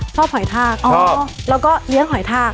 หอยทากแล้วก็เลี้ยงหอยทาก